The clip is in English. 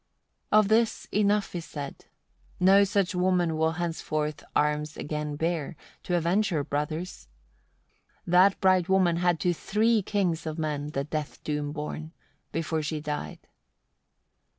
43. Of this enough is said. No such woman will henceforth arms again bear, to avenge her brothers. That bright woman had to three kings of men the death doom borne, before she died.